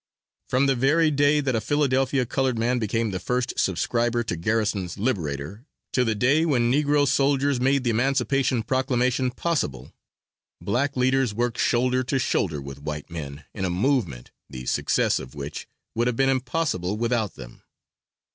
From the very day that a Philadelphia colored man became the first subscriber to Garrison's "Liberator," to the day when Negro soldiers made the Emancipation Proclamation possible, black leaders worked shoulder to shoulder with white men in a movement, the success of which would have been impossible without them.